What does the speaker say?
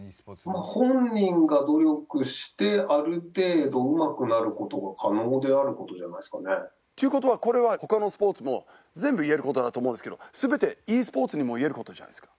本人が努力してある程度うまくなる事が可能である事じゃないですかね。という事はこれは他のスポーツも全部言える事だと思うんですけど全てｅスポーツにも言える事じゃないですか。